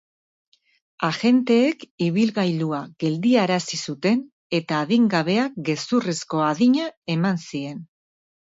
Agenteek ibilgailua geldiarazi zuten eta adingabeak gezurrezko adina eman zien.